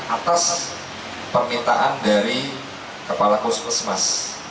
atas permintaan dari kepala puskesmas